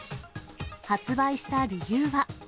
発売した理由は。